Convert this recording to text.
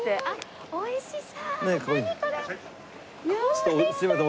ちょっとすいません。